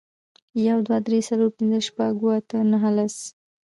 یو, دوه, درې, څلور, پنځه, شپږ, اووه, اته, نهه, لس